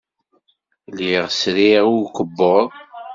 Lliɣ sriɣ i ukebbuḍ.